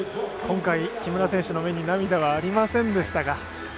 今回、木村選手の目に涙はありませんでしたが。